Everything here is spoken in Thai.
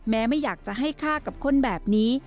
ไม่อยากจะให้ฆ่ากับคนแบบนี้